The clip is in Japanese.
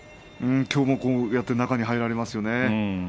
きょうも中に入られますよね。